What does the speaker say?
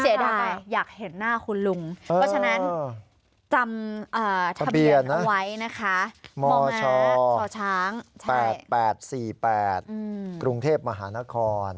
อยากเห็นหน้าคุณลุงเพราะฉะนั้นจำทะเบียนเอาไว้นะคะมชช๘๘๔๘กรุงเทพมหานคร